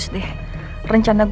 jadi tulang jalan aku